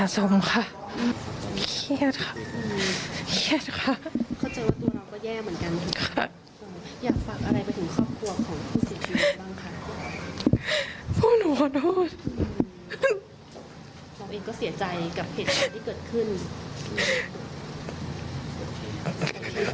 ตอนนี้อยากให้อองหลายใจคุณพ่อ